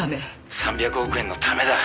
「３００億円のためだ。